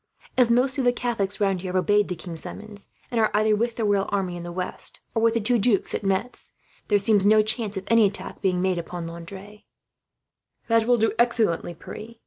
As most of the Catholics round here have obeyed the king's summons, and are either with the royal army in the west, or with the two dukes at Metz, there seems no chance of any attack being made upon Landres." "That will do excellently, Pierre.